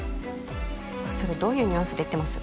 それどういうニュアンスで言ってます？